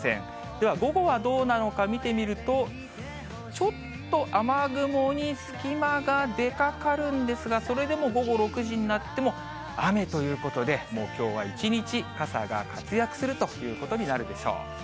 では、午後はどうなのか見てみると、ちょっと雨雲に隙間が出かかるんですが、それでも午後６時になっても雨ということで、もうきょうは一日、傘が活躍するということになるでしょう。